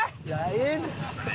ええねん。